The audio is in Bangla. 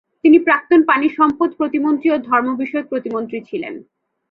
তিনি প্রাক্তন পানিসম্পদ প্রতিমন্ত্রী ও ধর্ম বিষয়ক প্রতিমন্ত্রী ছিলেন।